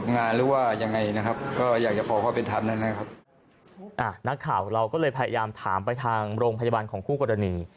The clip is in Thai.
นักข่าวเราก็เลยพยายามถามไปทางโรงพยาบาลของคู่กรณี